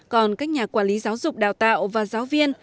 còn các nhà quản lý giáo dục đào tạo và giáo viên